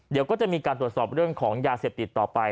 เดี๋ยวก็จะมีการตรวจสอบเรื่องของยาเสพติดต่อไป